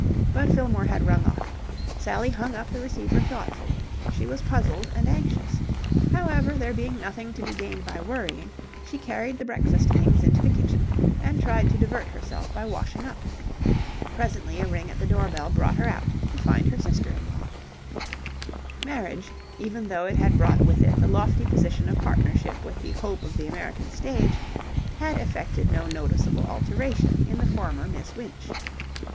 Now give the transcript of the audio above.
But Fillmore had rung off. Sally hung up the receiver thoughtfully. She was puzzled and anxious. However, there being nothing to be gained by worrying, she carried the breakfast things into the kitchen and tried to divert herself by washing up. Presently a ring at the door bell brought her out, to find her sister in law. Marriage, even though it had brought with it the lofty position of partnership with the Hope of the American Stage, had effected no noticeable alteration in the former Miss Winch.